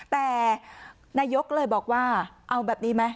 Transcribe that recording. แต่นายกเลยบอกว่าเอาแบบนี้ไหม